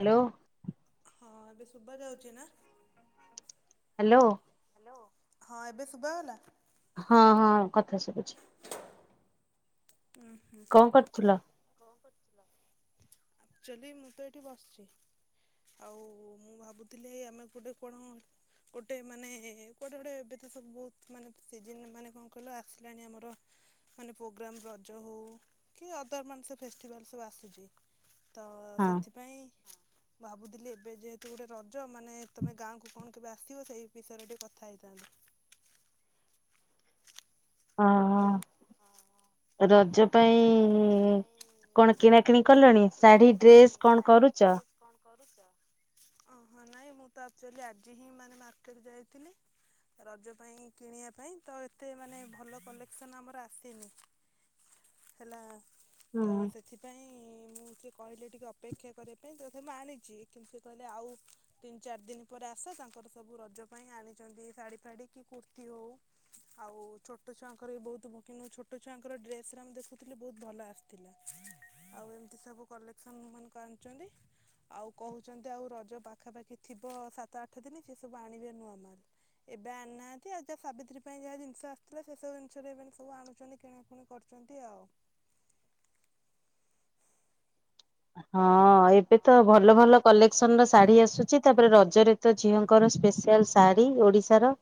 Hello ହଁ ଏବେ ଶୁଭ ଯାଉଛି ନା ହ୍ୟାଲୋ ହଁ ଏବେ ଶୁଭ ଗଲା ହଁ ହଁ କଥା ସ ଶୁଭୁଚି କଣ କରୁଥିଲ ଆଚୁଆଲି ମୁଁ ତ ଏଠି ବସିଛି ଆଉ ମୁଁ ଭାବୁଥିଲି ଆମେ ଗୋଟେ କଣ ଗୋଟେ ମାନେ କୋଟେ କୋଟେ ଏବେ ତ ସବୁ ବହୁତ ମାନେ ସିଜନ୍ ମାନେ କଣ କହିଲ ଆସିଲାଣି ଆମର ମାନେ ପ୍ରୋଗ୍ରାମ ର ଜ ହଉ କି ଅଦର ମାନ ସେ ଫେଷ୍ଟିଭାଲ୍ ସବୁ ଆସୁଛି ତ ସେଥିପାଇଁ ଭାବୁଥିଲି ଏବେ ଯେହେତୁ ଗୋଟେ ରଜ ମାନେ ତମେ ଗାଁ କ କଣ କେବେ ଆସିବ ସେଇ ବିଷୟରେ ଟିକେ କଥା ହେଇଥାନ୍ତ। ହଁ ହଁ ରଜ। ତ ଏ କଣ କିଣା କିିଣି କଲେଣି ଶାଢୀ ଡ୍ରେସ କଣ କରୁଛ। ଅ ହ ନାଇଁ ମୁଁ ତ ଆକ୍ଚୁଆଲି ଆଜି ହିଁ ମାନେ ମାର୍କେଟ ଯାଇଥିଲି ରଜ ପାଇଁ କିଣିବା ପାଇଁ ତ ଏତେ ମାନେ ଭଲ କଲେକ୍ସନ ଆମର ଆସିନି। ହେଲା। ତ ସେଥିପାଇଁ ମୁଁ ଟିକ। କହିଲେ ଟିକେ ଅପେକ୍ଷା କରିବା ପାଇଁ ତ ସେ ମୁଁ ଆଣିଛି କିନ୍ତୁ ସେ କହିଲେ ଆଉ ତିନି ଚାରି ଦିନ ପରେ ଆସ ତାଙ୍କର ସବୁ ରଜ ପାଇଁ ଆଣିଛନ୍ତି ଶାଢ଼ୀ ଫାଢ଼ୀ କି କୁର୍ତ୍ତୀ ହେଉ ଆଉ ଛୋଟ ଛୁଆଙ୍କର ବି ବହୁତ କିନ୍ତୁ ଛୋଟ ଛୁଆଙ୍କର ଡ୍ରେସ୍। ଆମେ ଦେଖୁଥିଲ ବହୁତ ଭଲ ଆସିଥିଲା ଆଉ ଏମିତି ସବୁ କଲେକ୍ସନ ମାନଙ୍କୁ ଆଣୁଛନ୍ତି ଆଉ କହୁଛନ୍ତି ଆଉ ରଜ ପାଖାପାଖି ଥିବ ସାତ ଆଠ ଦିନ ସେ ସବୁ ଆଣିବେ ନୂଆ ମାଲ ଏବେ ଆଣିନାହାନ୍ତି ଆଉ ଯାହା ସାବିତ୍ରୀ ପାଇଁ ଯାହା ଜିନିଷ ଆସିଥିଲା ସେ ସବୁ ଜିନିଷରେ ସବୁ ଆଣୁଛନ୍ତି କିଣାକଣି। କରୁଛନ୍ତି ଆଉ। ହଁ ଏବେ। ତ ଭଲ ଭଲ କଲେକ୍ସନ ର ଶାଢୀ ଆସୁଛି ତାପରେ ରଜରେ ତ ଝିଅଙ୍କର ସ୍ପେଶାଲ ଶାଢୀ ଓଡିଶାର।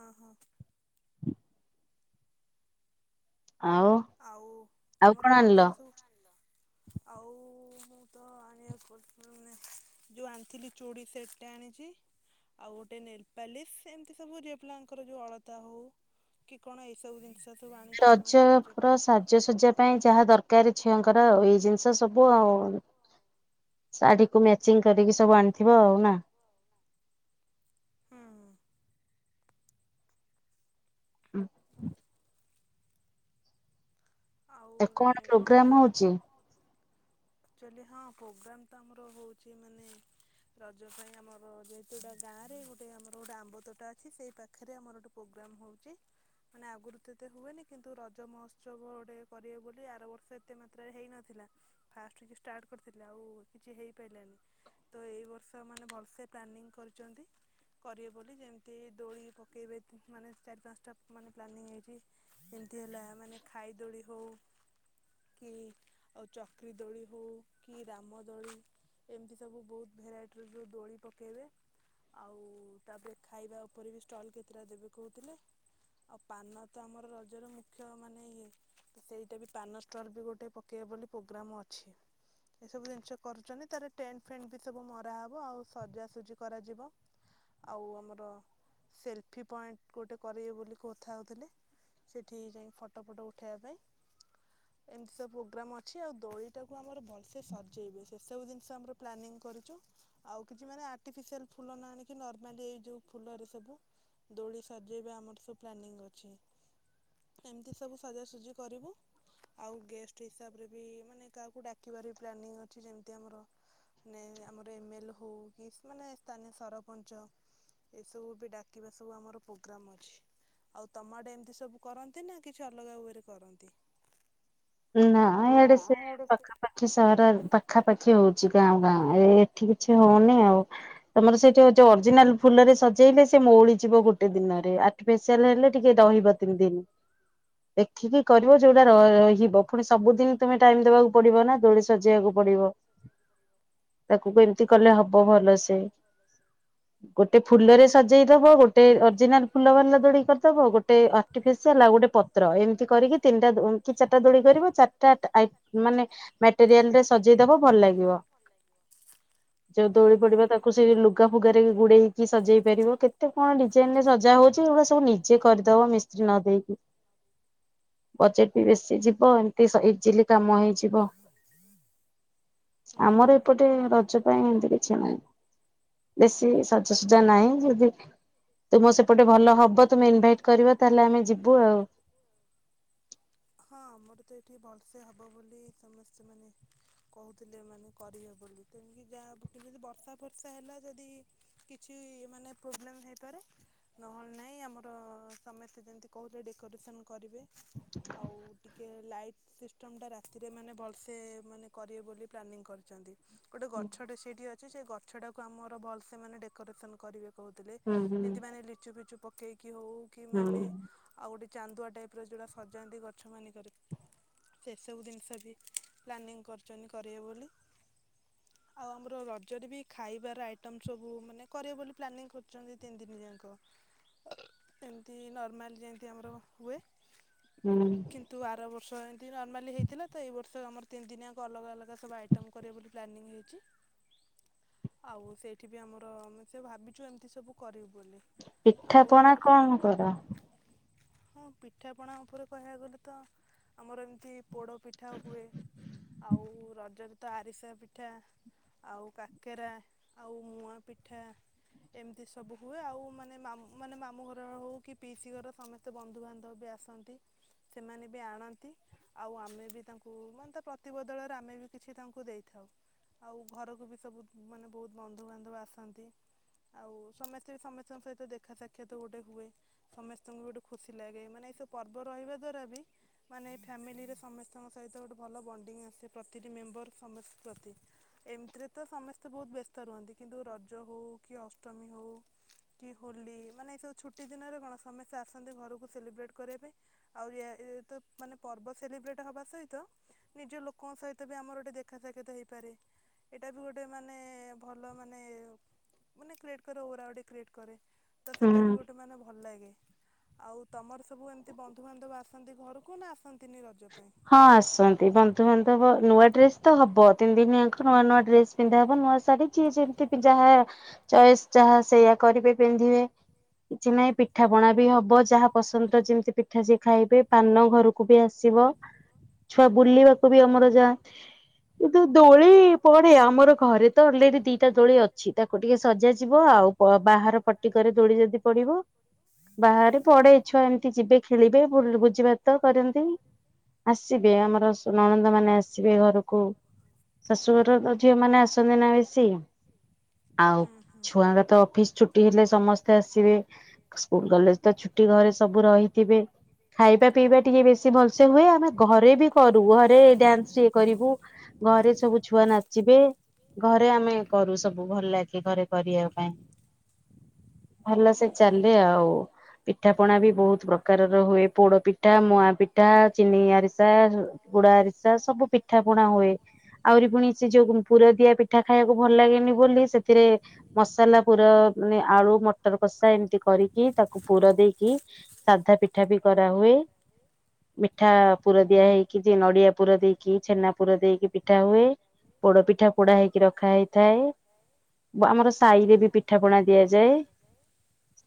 ଅ ହଁ। ଆଉ ତମର ରଜରେ ସବୁ ଆଉ ମୁଁ ତ ଆଣିବାକୁ ମାନେ ଯୋଉ ଆଣିଥିଲି ଚୁଡ଼ି ସେଟଟା ଆଣିଛି ଆଉ ଗୋଟେ ନେଲପାଲିସ୍ ଏମିତି ସବୁ ଯେ ପିଲାଙ୍କର ଯୋଉ ଅଳତା ହଉ କି କଣ ଏଇ ସବୁ ଜିନିଷ। ସବୁ ଆଣିଚି ମାନେ ର ର ସାହାଯ୍ୟସଜଜା ପାଇଁ ଯାହା ଦରକାର ଅଛି। ମୁଙ୍କର ଆଉ ଏଇ ଜିନିଷ ସବୁ ଆଉ ଶାଢୀ କୁ ମ୍ୟାଚିଂ କରିକି ସବୁ ଆଣିଥିବ ଆଉ ନା। ଉଁ। ଆଉ କଣ କଉ ପ୍ରୋଗ୍ରାମ ହଉଛି। ଆକ୍ଚୁଆଲି ହଁ ପ୍ରୋଗ୍ରାମ ତ ଆମର ହଉଛି, ମାନେ ରଜ ପାଇଁ ଆମର ଯେହେତୁ ଗଟା ଗାଁରେ ଗୋଟେ ଆମର ଗୋଟେ ଆମ୍ବ ତଟା ଅଛି ସେଇ ପାଖରେ ଆମର ଗୋଟେ ପ୍ରୋଗ୍ରମ୍ ହଉଛି ମାନେ ଆଗରୁ ତତେ ହୁଏନି କିନ୍ତୁ ରଜ ମହୋତ୍ସବ ଗୋଟେ। କରିବେ ବୋଲି ଆର ବର୍ଷ ଏତେ ମାତ୍ରାରେ ହେଇନଥିଲା ଫାଷ୍ଟ କି ଷ୍ଟାର୍ଟ କରିଥିଲେ ଆଉ କିଛି ହେଇପାରିଲାନି ତ ଏଇ ବର୍ଷ ମାନେ ଭଲସେ ପ୍ଲାନିଂ କରିଛନ୍ତି କରିବେ ବୋଲି, ଯେମିତି ଦୋଳି ପକେଇବେ ମାନେ ଚାରି ପାଞ୍ଚଟା ମାନେ ପ୍ଲାନିଂ ହେଇଛି ଯେମିତି ହେଲା ମାନେ ଖାଇ ଦୋଳି ହଉ କି ଆଉ ଚକ୍ରି ଦୋଳି ହଉ କି ରାମ ଦୋଳି ଏମିତି ସବୁ ବହୁତ ଭେରାଇଟିର ଯ ଦୋଳି ପକେଇବେ ଆଉ ତାପରେ ଖାଇବା ଉପରେ ବି ଷ୍ଟଲ୍ କେତେଟା ଦେବେ କହୁଥିଲେ ଆଉ ପାନ ତ ଆମର ରଜର ମୁଖ୍ୟ ମାନେ ଇଏ। ସେଇଟା ବି ପାନଷ୍ଟଲ ବି ଗୋଟେ ପକେଇବା ବୋଲି ପ୍ରୋଗ୍ରାମ୍ ଅଛି। ଏସବୁ ଜିନିଷ କରୁଛନ୍ତି ତାର ଟେଣ୍ଟ ଫେଣ୍ଟ ବି ସବୁ ମରାହେବ। ଆଉ ସଜାସଜି କରାଯିବ ଆଉ ଆମର ସେଲଫି ପଏଣ୍ଟ ଗୋଟେ କରେଇବେ ବୋଲି କଥା ହେଉଥିଲେ। ସେଇଠି ଯାଇ ଫଟୋ ଫଟୋ ଉଠେଇବା ପାଇଁ। ଏମିତି ସବୁ ପ୍ରୋଗ୍ରାମ ଅଛି। ଆଉ ଦୋଳି ଟାକୁ ଆମର ଭଲସେ ସଜେଇବେ ସେ ସବୁ ଜିନିଷ ଆମର ପ୍ଲାନିଙ୍ଗ କରିଛୁ। ଆଉ କିଛି ମାନେ ଆଟିଫିସିଆଲ ଫୁଲ ନା ଆଣିକି ନର୍ମାଲି ଏଇ ଯୋଉ ଫୁଲରେ ସବୁ ଦୋଳି ସଜେଇବା ଆମର ସବୁ ପ୍ଲାନିଙ୍ଗ ଅଛି। ଏମିତି ସବୁ ସଜାସଜି କରିବୁ ଆଉ ଗେଷ୍ଟ ହିସାବରେ ବି ମାନେ କାହାକୁ ଡାକିବାର ପ୍ଲାନିଙ୍ଗ ଅଛି। ଯେମିତି ଆମରାନେ ଆମର ଏମ ଏଲ୍ ହଉ କି ମାନେ ସ୍ଥାନୀୟ ସରପଞ୍ଚ ଏସବୁ ବି ଡାକିବା ସବୁ ଆମର ପ୍ରୋଗ୍ରମ୍ ଅଛି। ଆଉ ତମାଟେ ଏମିତି ସବୁ କରନ୍ତି ନା କିଛି ଅଲଗା କରନ୍ତି। ନା ଇଆଡେ ସେ ପାଖାପଖି ସହର ପାଖାପାଖି ହଉଛି ଗାଁ ଗାଁ ଏ ଏଠି କିଛି ହଉନି ଆଉ। ତମର ସେଇଠି ଅରିଜିନାଲ ଫୁଲରେ ସଜେଇଲେ ସେ ମଉଳିଯିବ। ଗୋଟେ ଦିନରେ ଆଟିସିଆଲ ହେଲେ ଟିକେ ରହିବ ତିନି ଦିନ। ଦେଖିକି କରିବ ଯୋଉଟା ର ପୁଣି ସବୁଦିନ ତମେ ଟାଇମ ଦବାକୁ ପଡିବ ନା। ଦୋଳି ସଜେଇବାକୁ ପଡିବ। [inaudible] ତାକୁ ଏମିତି କଲେ ହବ ଭଲ ସେ ଗୋଟେ ଫୁଲରେ ସଜେଇ ଦବ ଗୋଟେ ଅରିଜିନାଲ ଫୁଲ ବାା ଦୋଳି କରିଦବ ଗୋଟେ ଆର୍ଟିଫିସିଆଲ ଆଉ ଗୋଟେ ପତ୍ର ଏମିତି କରିକି ତିନିଟା ଚାରିଟା ଦୋଳି। କରିବ ଚାରିଟା ଆ ମାନେ ମେଟେରିଆଲରେ ସଜେଇ ଦବ ଭଲ ଲାଗିବ। [inaudible] ଯୋଉ ଦୋଳି ପଡିବ ତାକୁ ସେ ଲୁଗା ଫୁଗାରେ ଗୋଡେଇକି ସଜେଇ ପାରିବ। କେତେ କଣ ଡିଜାଇନ ରେ ସଜା ହଉଛି ଏଗୁଡା ସବୁ ନିଜେ କରିଦବ ମିସ୍ତ୍ରୀ ନ ଦେଇେଇକି। [inaudible] ବଜେଟ ବି ବେଶୀ। ଏମତି ଇଜିଲି କାମ ହେଇଯିବ। [inaudible] ଆମର ଏପଟେ ରଜ ପାଇଁ ଏମତି କିଛି ନାହିଁ ବେଶୀ ସଜାସଜା ନାହିଁ। ଯଦି ତୁମ ସେପଟେ ଭଲ ହବ ତୁମେ ଇନଭାଇଟ କର ତାହଲେ ଆମେ ଯିବୁ ଆଉ। [inaudible] [inaudible] ଆଉ ଟିକେ ଲାଇଟ୍ ସିଷ୍ଟମ ଟା ରାତିରେ ମାନେ ଭଲସେ ମାନେ କରିବେ ବୋଲି ପ୍ଲାନିଂ କରିଛନ୍ତି। ଗୋଟେ ଗଛଟେ ସେଇଠି ଅଛି। ସେ ଗଛ ଟାକୁ ଆମର ଭଲସେ ମାନେ ଡେକୋରେସନ କରିବେ। କହୁଥିଲେ ଏମିତି ମାନେ ଲିଚୁ ଫିଚୁ ପକେଇ କି ହଉ କି ମାନେ ଆଉ ଗୋଟେ ଚାନ୍ଦୁଆ ଟାଇପ ର ଯଉଟା ସଜାନ୍ତି। ଗ ଗଛ ମାନଙ୍କରେ [inaudible] ସେସବୁ ଜିନିଷ ବି ପ୍ଲାନିଂ କରଛନ୍ତି। କରିବ ବୋଲି ଆଉ ଆମର ରଜରେ ବି ଖାଇବାର ଆଇଟମ୍ ସବୁ ମାନେ କରିବ ବୋଲି ପ୍ଲାନିଂ କରୁଛନ୍ତି। ତିନି ଦିନି ଯାକ ଏମିତି ନର୍ମାଲ ଯେମିତି ଆମର ହୁଏ। ହୁଁ। କିନ୍ତୁ ଆର ବର୍ଷ ଏମିତି ନର୍ମାଲି ହେଇଥିଲା। ତ ଏଇ ବର୍ଷ ଆମର ତିନି ଦିନଆକ ଅଲଗା ଅଲଗା ସବୁ ଆଇଟମ କରିବୁ ବୋଲି ପ୍ଲାନିଂ ହେଇଛି। [inaudible] ଆଉ ସେଇଠି ବି ଆମର ଆମେ ସେ ଭାବିଛୁ ଏମିତି ସବୁ କରିବୁ ବୋଲି। ପିଠା ପଣା କଣ କର। ହଁ ପିଠାପଣା ଉପରେ କହିବାକୁ ଗଲେ ତ ଆମର ଏମିତି ପୋଡ ପିଠା ହୁଏ ଆଉ ରଜରେ ତ ଆରିସା ପିଠା ଆଉ କାକେରା ଆଉ ମୁଆ ପିଠା ଏମିତି ସବୁ ହୁଏ ଆଉ ମାନେ ମାନେ ମାମୁଁ ଘର ହେଉ କି ପିଇସି ଘର ସମସ୍ତେ ବନ୍ଧୁବାନ୍ଧବ ବି ଆସନ୍ତି। ସେମାନେ ବି ଆଣନ୍ତି ଆଉ ଆମେ ବି ତାଙ୍କୁ ମାନେ ତା ପ୍ରତିବଦଳରେ ଆମେ ବି କିଛି ତାଙ୍କୁ ଦେଇଥାଉ ଆଉ ଘରକୁ ବି ସବୁ ମାନେ ବହୁତ ବନ୍ଧୁବାନ୍ଧବ ଆସନ୍ତି ଆଉ ସମସ୍ତେ ବି ସମସ୍ତଙ୍କ ସହିତ ଦେଖା ସାକ୍ଷାତ ଗୋଟେ ହୁଏ ସମେସ୍ତଙ୍କୁ ଗୋଟେ ଖୁସି ଲାଗେ ମାନେ ଏଇସବୁ ପର୍ବ ରହିବା। ଦ୍ୱାରା ବି ମାନେ ଫାମିଲି ରେ ସମେସ୍ତଙ୍କ ସହିତ ଗୋଟେ ଭଲ ବଣ୍ଡିଂ ଆସେ ପ୍ରତିଟି ମେମ୍ବର ସମସ୍ତ ପ୍ରତି ଅମତୀରେ ତ ସମସ୍ତେ ବହୁତ ବେଶ୍ତ ରୁହନ୍ତି କିନ୍ତୁ ରଜ ହଉ କି ଅଷ୍ଟମୀ ହଉ କି ହୋଲି ମାନେ ଏ ସବୁ ଛୁଟି ଦିନରେ କଣ ସମସ୍ତେ ଆସନ୍ତି ସେଲିବ୍ରେଟ କରିବା ପାଇଁ। ଆଉ ୟ ଇଏ ତ ମାନେ ପର୍ବ ସେଲିବ୍ରେଟ୍ ହେବା ସହିତ ନିଜ ଲୋକଙ୍କ ସହିତ ବି ଆମର ଗୋଟେ ଦେଖା ସାକ୍ଷାତ ହେଇପାରେ ଏଇଟା ବି ଗୋଟେ ମାନେ ଭଲ ମାନେ ମାନେ କ୍ରିଏଟ୍ କରେ ଓରା ଗୋଟେ କ୍ରିଏଟ୍ କରେ। ତ ସେଟା ବି ଗୋଟେ ମାନେ ଭଲ ଲାଗେ। ଆଉ ତମର ସବୁ ଏମିତି ବନ୍ଧୁ ବଧୁବାନ୍ଧବ ଆସନ୍ତି ଘରକୁ ନା ଆସନ୍ତି ହଁ ଆସନ୍ତି ବନ୍ଧୁବାନ୍ଧୁବ ନୂଆ ଡ୍ରେସ ତ ହବ ତିନି ଦିନଆଙ୍କ ନୂଆ ନୂଆ ଡ୍ରେସ ପିନ୍ଧା ହବ ନୂଆ ଶାଢୀ ଯିଏ ଯେମିତି ଯାହା। ଚଏସ୍ ଯାହା ସେଇୟଆ କରିବେ ପିନ୍ଧିବେ କିଛି ନାହିଁ ପିଠା ପଣା ବି ହବ ଯାହା ପସନ୍ଦ ଯେମିତି ପିଠା ସିଏ ଖାଇବେ ପାନ ଘରକୁ ବି ଆସ ଆସିବ ଛୁଆ ବୁଲିବାକୁ ବି ଆମର ଯାଆନ୍ତି କିନ୍ତୁ ଦୋଳି ପଡେ ଆମର ଘରେ ତ ଅଲରେଡି ଦିଟା ଦୋଳି ଅଛି ତାକୁ ଟିକେ ସଜା ଯିବ ଆଉ ବାହାର ପଟିକରେ ଦୋଳି ଯଦି ପଡିବ ବାହାରେ ପଡେ ଛୁଆ ଏମିତି ଯିବେ ଖେଳିବେ ବୁଝି ଭାତ କରନ୍ତି ଆସିବେ ଆମର ସ ନଣନ୍ଦ ମାନେ ଆସିବେ ଘରକୁ ଶାଶୁଘର। ଝିଅ ମାନେ ଆସନ୍ତି ନା ବେଶୀ ଆଉ ଛୁଆଙ୍କ ତ ଅଫିସ ଛୁଟି ହେଲେ ସମସ୍ତେ ଆସିବେ ସ୍କୁଲ କଲେଜ ତ ଛୁ ଘରେ ସ ସବୁ ରହିଥିବେ। ଖାଇବା ପିଇବା ଟିକେ ବେଶୀ ଭଲ। ସେ ହୁଏ ଆମେ ଘରେ ବି କରୁ ଘରେ ଡ୍ୟାନ୍ସ ଟିକେ କରିବୁ ଘରେ ସବୁ ଛୁଆ ନାଚ ଯିବେ ଘରେ ଆମେ କରୁ ସବୁ ଭଲ ଲାଗେ ଘରେ କରିବା ପାଇଁ। ଭଲ ସେ ଚାଲେ ଆଉ ପିଠା ପଣା ବି ବହୁତ ପ୍ରକାରର ହୁଏ ପୋଡ ପିଠା ମୁୂଆଁ ପିଠା। ଠା ଚିନି ଆରିସା ଗୁଡା ଆରିସା ସବୁ ପିଠା ପୁଣା ହୁଏ ଆହୁରି ପୁଣି ସେ ଯୋଉ ପୁର ଦିଆ ପିଠା ଖାଇବାକୁ ଭଲ ଲାଗେନି ବୋଲି ସେଥିରେ ମସଲା ପୁର ମାନେ ଆଳୁ ମଟ ମଟର କଷା ଏମିତି କରିକି ତାକୁ ପୁର ଦେଇକି ସାଧା ପିଠା ବି କରାହୁୁଏ। ମିଠା ପୁର ଦିଆ ହେଇକି ଯେ ନଡିଆ ପୁର ଦେଇକି ଛେନା ପୁର ଦେଇକି ପିଠା ହୁଏ ପୋଡ ପିଠା ପୋଡା ହେଇକି ରଖା ହେଇଥାଏ ଆମର ସ ସାହି ରେ ବି ପିଠା ପଣା ଦିଆଯାଏ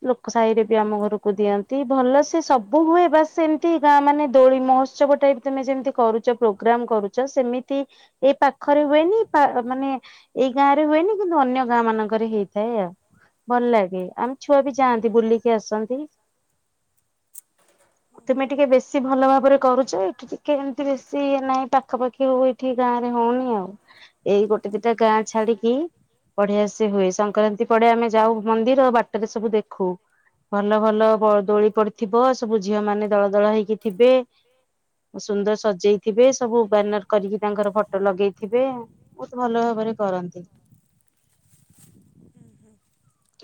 ଲୋକ ସାହିରେ ବି ଆମ ଘରକୁ ଦିଅନ୍ତି ଭଲ ସେ ସବୁ ହୁଏ ବାସ୍ ସେମିତି ଗାଁ ମାନେ। ଦୋଳି ମହୋତ୍ସବ ଟାଇପ ତମେ ଯେମିତି କରୁଛ ପ୍ରୋଗ୍ରାମ କରୁଛ ସେମିତି ଏଇ ପାଖରେ ହୁଏନି ମାନେ। ଏଇ ଗାଁ ରେ ହୁଏନି କିନ୍ତୁ ଅନ୍ୟ ଗାଁ ମାନଙ୍କରେ ହେଇଥାଏ ଆଉ ଭଲ ଲାଗେ ଆମ ଛୁଆ ବି ଯାଆନ୍ତି ବୁଲିକି ଆସନ୍ତି। ତୁମେ ଟିକେ ବେଶୀ। ବ ଭଲ ଭାବରେ କରୁଛ ଏଠି ଟିକେ ଏମିତି ବେଶୀ ଇ ଏ ନା ହିଁ ପାଖାପାଖି ହଉ ଏଇଠି ଗାଁ ରେ ହଉନି ଆଉ ଏଇ ଗୋଟେ ଦିଟା ଗାଁ ଛାଡିକି ବଢ଼ିଆସେ। ସେ ହୁଏ ସଂକ୍ରାନ୍ତି ପଡେ ଆମେ ଯାଉ ମନ୍ଦିର ବାଟରେ ସବୁ ଦେଖୁ ଭଲ ଭଲ ଦୋଳି ପଡିଥିବ ସବୁ ଝିଅ ମାନେ ଦଳ ଦୋଳ ହେଇକି। ଥିବେ ସୁନ୍ଦର ସଜେଇଥିବେ ସବୁ ବ୍ୟାନର କରିକି ତାଙ୍କର ଫଟୋ ଲଗେଇଥିବେ ବହୁତ ଭଲ ଭାବରେ।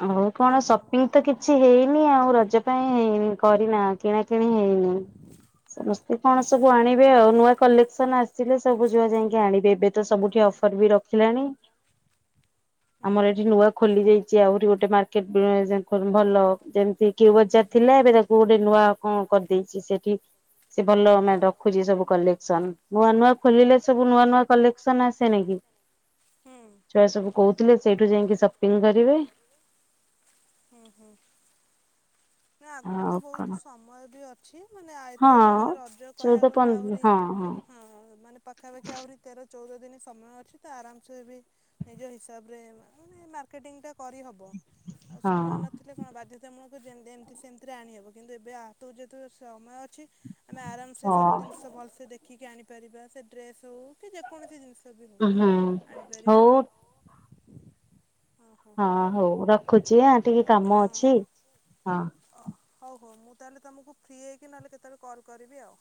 ଆଉ କଣ ସପିଙ୍ଗ ତ କିଛି ହେଇନି ଆଉ ରଜ ପାଇଁ ହେଇନ କରିନା କିଣା କିିଣି ହେଇନି ସମସ୍ତେ କଣ ସବୁ ଆଣିବେ ଆଉ ନୂଆ କଲେକ୍ସନ ଆସିଲେ ସବୁ ଯୁଆ ଯାଇକି ଆଣିବେ ଏବେ ସବୁଠି ଅଫର ବି ରଖିଲାଣି ଆମର ଏଠି ନୂଆ ଖୋଲି ଯାଇଛି ଆହୁରି ଗୋଟେ ମାର୍କେଟ ଭଲ ଯେମିତି କିୁ ବଜାର ଥିଲା ଏବେ ତାକୁ ଗୋଟେ ନୂଆ କଣ କରିଦେଇଛି ସେ ସେ ଭଲ ଆମେ ରଖୁଛି ସବୁ କଲେକ୍ସନ ନୂଆ ନୂଆ ଖୋଲିଲେ ସବୁ ନୂଆ ନୂଆ କଲେକ୍ସନ ଆସ ନ ଛୁଆ ସବୁ କହୁଥିଲେ ସେଇଠୁ ଯାଇକି ସପିଙ୍ଗ କରିବେ ନା ଆଗକୁ ତ ବହୁତ ସମୟ ବି ଅ ମାନେ ଆଇଥ ତ ମାନେ ରଜ କହିବାକୁ ଗଲେ ଆହୁରି ହଁ ମାନେ ପାଖାପାଖି ଆହୁରି ତେର। ଚଉଦ ଦିନ ସମୟ ଅଛି ତ ଆରାମସେ ବି ନିଜ ହିସାବରେ ମାନେ ମାର୍କେଟିଂଟା। କରିହବ ଆଉ ସମୟ ନଥିଲେ କଣ ବାଧ୍ୟତାମୂଳକ। ଦେନ୍ ଦେନ୍ ସେମିତିରେ ଆଣିହବ କିନ୍ତୁ ଏବେ ହାତକୁ ଯେହେତୁ ସମୟ। ଅଛି ଆମେ ଆରାମସେ ସବୁ ଜିନିଷ ଭଲସେ ଦେଖ। ଦେଖିକି ଆଣିପାରିବା ସେ ଡ୍ରେସ ହଉ କି ଯେକୌଣସି ଜିନିଷ। ହଉ ଆଣିପାରିବା। ହଁ ହଉ ରଖୁଛି ଆ ଟିକେ କାମ ଅଛି ହଁ। ଅ ହଉ ହଉ ମୁଁ ତାହେଲେ ତମକୁ ଫ୍ରି ହେଇକି ନହେଲେ କେତେବେଳେ କଲ କରିବି ଆଉ।